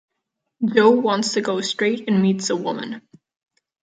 Joe wants to go straight and meets a woman.